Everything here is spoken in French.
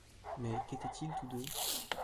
Mais qu’étaient-ils tous deux?